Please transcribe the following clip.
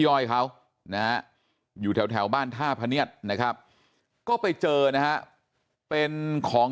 ย่อยเขานะฮะอยู่แถวบ้านท่าพะเนียดนะครับก็ไปเจอนะฮะเป็นของ